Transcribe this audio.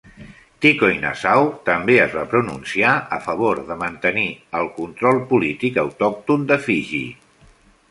Tikoinasau també es va pronunciar a favor de mantenir el control polític autòcton de Fiji.